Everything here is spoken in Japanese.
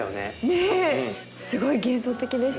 ねえすごい幻想的でしたよね。